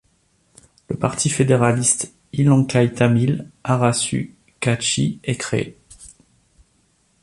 Le parti fédéraliste Illankai Tamil Arasu Kachchi est créé.